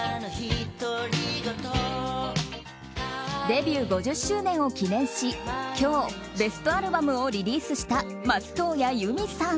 デビュー５０周年を記念し今日ベストアルバムをリリースした松任谷由実さん。